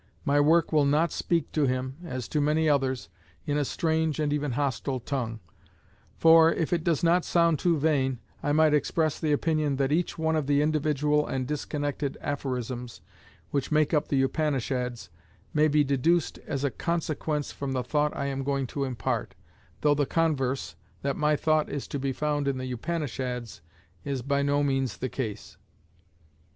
My work will not speak to him, as to many others, in a strange and even hostile tongue; for, if it does not sound too vain, I might express the opinion that each one of the individual and disconnected aphorisms which make up the Upanishads may be deduced as a consequence from the thought I am going to impart, though the converse, that my thought is to be found in the Upanishads, is by no means the case.